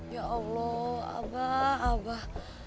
ya allah abah abah